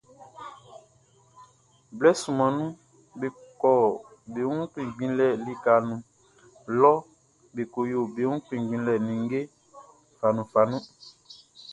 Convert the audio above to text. Blɛ sunman nunʼn, be kɔ be wun kpinngbinlɛ likaʼn nun lɔ be ko yo be wun kpinngbinlɛ nin ninnge fanunfanun.